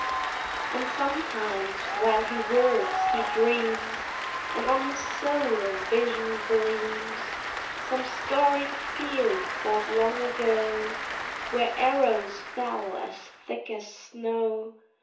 And sometimes, while he works, he dreams, And on his soul a vision gleams: Some storied field fought long ago, Where arrows fell as thick as snow.